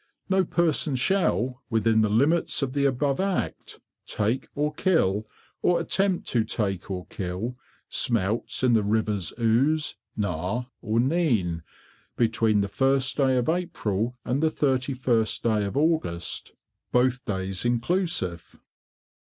No person shall, within the limits of the above Act, take or kill, or attempt to take or kill, Smelts in the Rivers Ouse, Nar, or Nene, between the 1st day of April and the 31st day of August, both days inclusive.